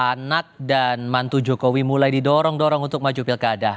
anak dan mantu jokowi mulai didorong dorong untuk maju pilkada